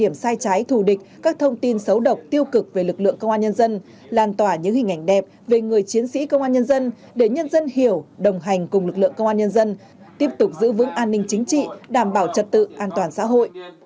nhân dân làn tỏa những hình ảnh đẹp về người chiến sĩ công an nhân dân để nhân dân hiểu đồng hành cùng lực lượng công an nhân dân tiếp tục giữ vững an ninh chính trị đảm bảo trật tự an toàn xã hội